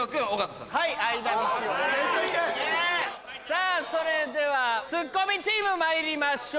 さぁそれではツッコミチームまいりましょう。